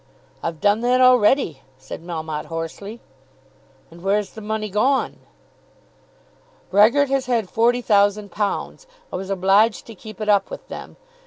"I've done that already," said Melmotte hoarsely. "And where's the money gone?" "Brehgert has had £40,000. I was obliged to keep it up with them.